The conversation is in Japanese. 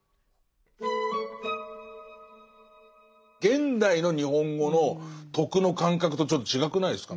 現代の日本語の徳の感覚とちょっと違くないですか？